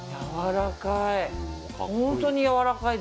やわらかい。